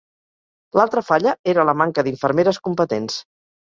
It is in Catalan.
L'altra falla era la manca d'infermeres competents